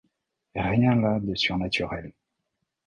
Rien là de surnaturel.